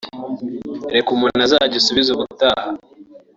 reka umuntu azagisubize ubutaha